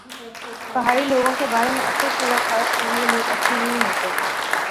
پہاڑی لوگوں کے بارے میں اکثر سنا تھا کہ یہ لوگ اچھے نہیں ہوتے